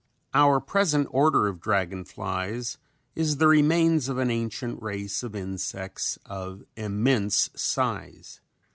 Our present order of dragon flies is the remains of an ancient race of insects of immense size.